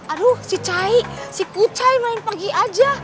aduh si cai si kucai main pagi aja